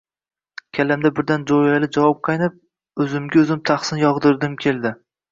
Kallamda birdan jo‘yali javob chaqnab, o‘zimga o‘zim tahsin yog‘dirgim keldi: